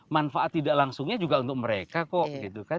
manfaat tidak langsungnya juga untuk mereka kok